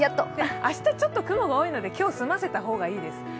明日ちょっと雲が多いので、今日済ませた方がいいです。